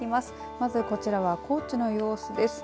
まずこちらは高知の様子です。